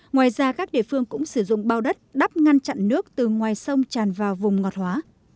ngoài ra các địa phương cũng sử dụng bao đất đắp ngăn chặn nước từ ngoài sông tràn vào vùng ngọt hóa